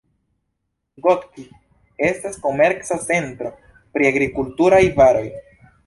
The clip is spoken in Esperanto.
Gotki estas komerca centro pri agrikulturaj varoj.